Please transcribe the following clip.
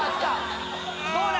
どうだ